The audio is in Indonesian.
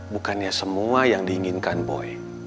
bukannya semua yang diinginkan boy